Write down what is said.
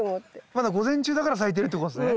まだ午前中だから咲いてるってことですね。